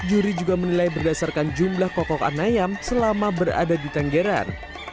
juri juga menilai berdasarkan jumlah kokokan ayam selama berada di tenggeran